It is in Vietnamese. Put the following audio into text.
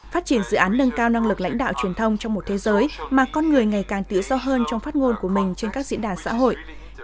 phát triển dự án nâng cao năng lực lãnh đạo truyền thông trong một thế giới mà con người ngày càng tự do hơn trong phát ngôn của mình trên các diễn đàn xã hội